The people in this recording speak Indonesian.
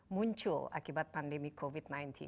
muncul akibat pandemi covid sembilan belas